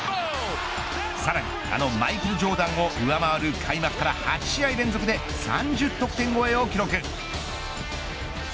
さらに、あのマイケル・ジョーダンを上回る開幕から８試合連続で３０得点超えを記録。